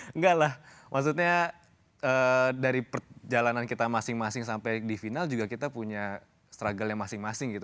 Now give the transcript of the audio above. enggak lah maksudnya dari perjalanan kita masing masing sampai di final juga kita punya struggle nya masing masing gitu